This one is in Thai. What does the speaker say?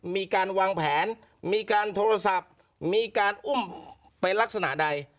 มีการวางแผนมีการโทรศัพท์มีการอุ้มไปลักษณะใด